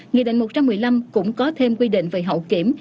nghị định một trăm một mươi năm cũng có thêm quy định về hậu kiểm